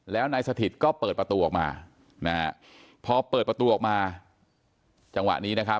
แล้วนายสถิตก็เปิดประตูออกมานะฮะพอเปิดประตูออกมาจังหวะนี้นะครับ